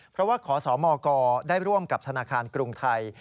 เพราะว่าขอสมกได้ร่วมกับธนาคารกรุงไทย